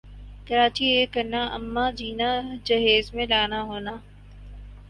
کراچی یِہ کرنا اماں جینا جہیز میں لانا ہونا